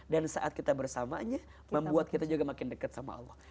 dan saat kita bersamanya membuat kita juga makin dekat sama allah